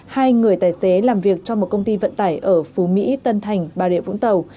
hai người tài xế làm việc trong một công ty vận tải ở phú mỹ tân thành bà rịa vũng tàu